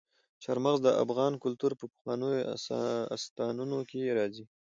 چار مغز د افغان کلتور په پخوانیو داستانونو کې راځي.